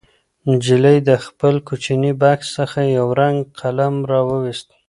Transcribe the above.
نجلۍ د خپل کوچني بکس څخه یو رنګه قلم راوویست.